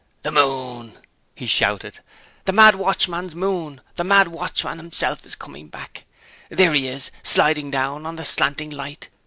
"The moon!" he shouted "the mad watchman's moon! The mad watchman himself is coming back. There he is, sliding down on the slanting light!